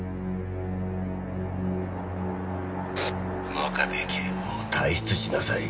「真壁警部補退室しなさい。